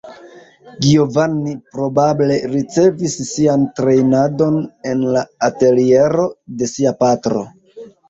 Giovanni probable ricevis sian trejnadon en la ateliero de sia patro.